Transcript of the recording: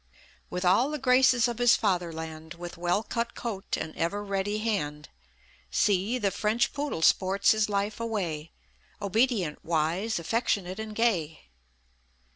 "With all the graces of his fatherland; With well cut coat, and ever ready hand See the French poodle sports his life away; Obedient, wise, affectionate, and gay."